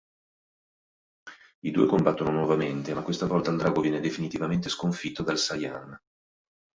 I due combattono nuovamente, ma questa volta il drago viene definitivamente sconfitto dal Saiyan.